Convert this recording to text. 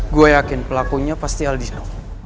gue yakin pelakunya pasti aldino